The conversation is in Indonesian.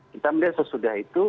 kita melihat sesudah itu